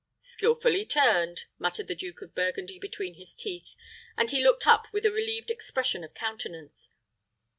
"Skillfully turned," muttered the Duke of Burgundy between his teeth, and he looked up with a relieved expression of countenance.